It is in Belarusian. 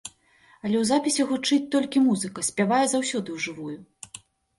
Але ў запісе гучыць толькі музыка, спявае заўсёды ў жывую.